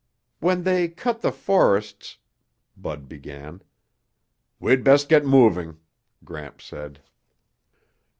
"When they cut the forests ..." Bud began. "We'd best get moving," Gramps said.